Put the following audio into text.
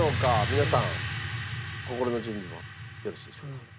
皆さん心の準備はよろしいでしょうか？